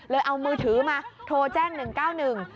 เลยเอามือถือมาโทรแจ้ง๑๙๑